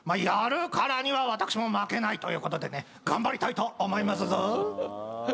やるからには私も負けないということでね頑張りたいと思いますぞ。